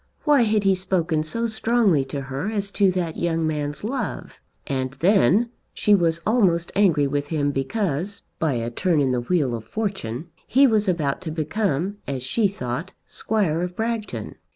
Why had he spoken so strongly to her as to that young man's love? And then she was almost angry with him because, by a turn in the wheel of fortune, he was about to become, as she thought, Squire of Bragton.